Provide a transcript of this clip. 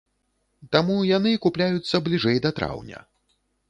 Таму яны купляюцца бліжэй да траўня.